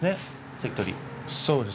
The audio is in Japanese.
関取。